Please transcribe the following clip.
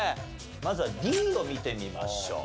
まずはＤを見てみましょう。